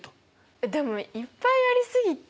でもいっぱいありすぎて。